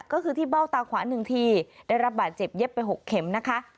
ก็คือที่เบ้าตาขวา๑ทีได้รับบาดเจ็บเย็บไป๖เข็มนะคะ